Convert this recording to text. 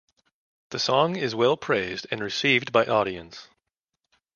The song is well praised and received by audience.